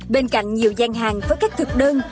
bên cạnh nhiều gian hàng với các thực đơn